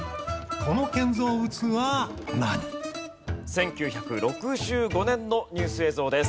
１９６５年のニュース映像です。